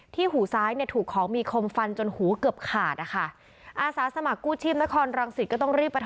ที่หูซ้ายเนี้ยถูกของมีคมฟันจนหูเกือบขาดอ่ะค่ะอาสาสมกู้ชีพนครรังสิตก็ต้องรีบ